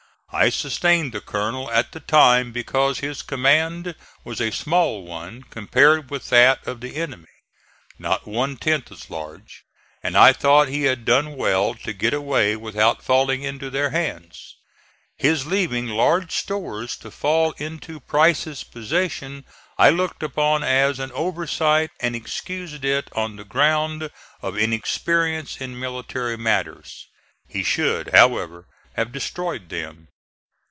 I sustained the colonel at the time because his command was a small one compared with that of the enemy not one tenth as large and I thought he had done well to get away without falling into their hands. His leaving large stores to fall into Price's possession I looked upon as an oversight and excused it on the ground of inexperience in military matters. He should, however, have destroyed them.